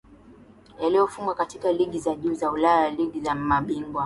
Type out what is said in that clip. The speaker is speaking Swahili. Yaliyofungwa katika ligi za juu za Ulaya na ligi za mabingwa